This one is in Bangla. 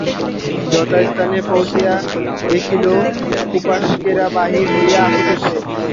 যথাস্থানে পৌঁছিয়া দেখিল উপাসকেরা বাহির হইয়া আসিতেছে।